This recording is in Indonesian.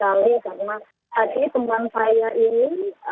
saya dikenal sekali karena tadi teman saya ini